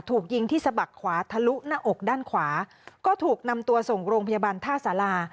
ถูกยิงที่สะบักขวาทะลุหน้าอกด้านขวาก็ถูกนำตัวส่งโรงพยาบาลท่าสารา